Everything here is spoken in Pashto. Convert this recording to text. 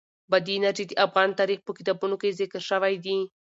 بادي انرژي د افغان تاریخ په کتابونو کې ذکر شوی دي.